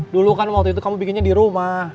dulu kan waktu itu kamu bikinnya di rumah